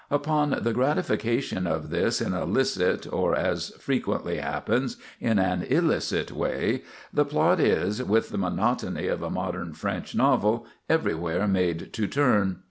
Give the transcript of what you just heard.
Upon the gratification of this in a licit, or, as frequently happens, in an illicit way, the plot is, with the monotony of a modern French novel, everywhere made to turn.